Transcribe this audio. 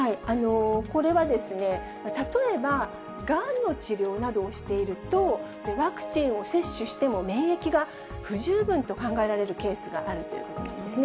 これは例えば、がんの治療などをしていると、ワクチンを接種しても、免疫が不十分と考えられるケースがあるということなんですね。